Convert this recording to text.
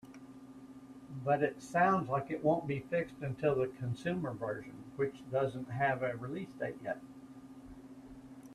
But it sounds like it won't be fixed until the consumer version, which doesn't have a release date yet.